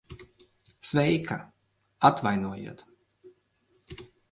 Sveika. Atvainojiet...